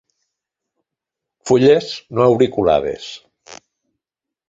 Fulles no auriculades.